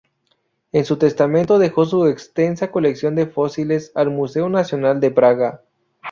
En su testamento dejó su extensa colección de fósiles al Museo Nacional de Praga.